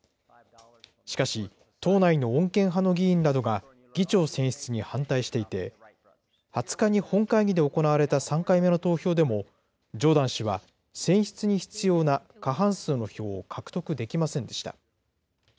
しかし、党内の穏健派の議員などが議長選出に反対していて、２０日に本会議で行われた３回目の投票でも、ジョーダン氏は選出に必要な過半数の票を獲得できませんでした。